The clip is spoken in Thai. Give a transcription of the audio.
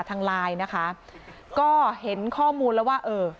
ทางไลน์นะคะก็เห็นข้อมูลแล้วว่าเออ